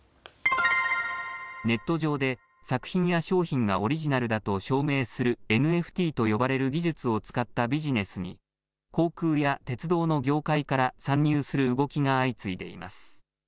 ネット上で作品や商品がオリジナルだと証明するＮＦＴと呼ばれる技術を使ったビジネスに航空や鉄道の業界から参入する動きが相次いでいます。